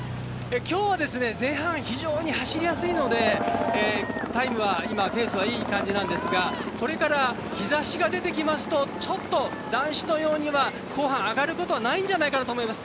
今日は前半非常に走りやすいのでタイムペースはいい感じなんですがこれから、日ざしが出てきますとちょっと男子のようには後半、上がることはないんじゃないかなと思います。